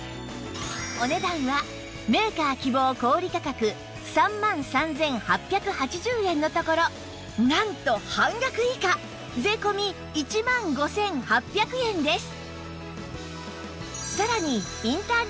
お値段はメーカー希望小売価格３万３８８０円のところなんと半額以下税込１万５８００円です